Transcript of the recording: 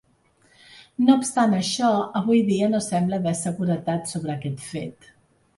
No obstant això, avui dia no sembla haver seguretat sobre aquest fet.